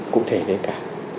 cụ thể đấy cả